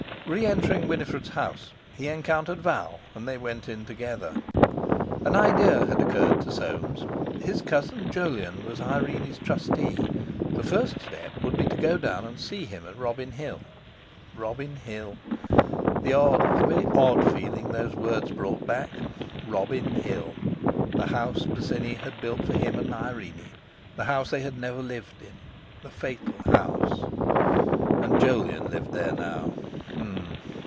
Re entering Winifred's house he encountered Val, and they went in together. An idea had occurred to Soames. His cousin Jolyon was Irene's trustee, the first step would be to go down and see him at Robin Hill. Robin Hill! The odd—the very odd feeling those words brought back! Robin Hill—the house Bosinney had built for him and Irene—the house they had never lived in—the fatal house! And Jolyon lived there now!